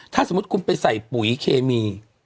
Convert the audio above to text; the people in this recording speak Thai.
ถ้าสมมุติคุณไปใส่ปุ๋ยเคมี